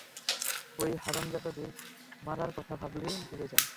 ওই হারামজাদাদের মারার কথা ভাবলে, ভুলে যান।